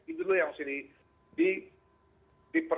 itu dulu yang harus dipertimbangkan